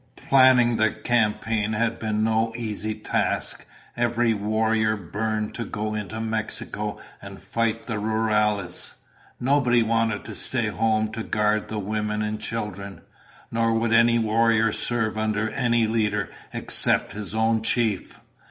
Planning the campaign had been no easy task. Every warrior burned to go into Mexico and fight the rurales. Nobody wanted to stay home to guard the women and children. Nor would any warrior serve under any leader except his own chief.